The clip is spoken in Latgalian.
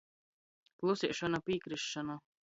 Klusiešona – pīkrisšona.